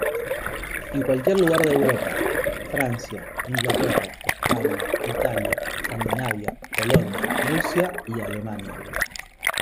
En cualquier lugar de Europa: Francia, Inglaterra, España, Italia, Escandinavia, Polonia, Rusia y Alemania.